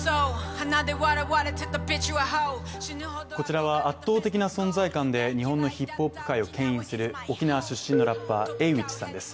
こちらは、圧倒的な存在感で日本のヒップホップ界をけん引する沖縄出身のラッパー、Ａｗｉｃｈさんです。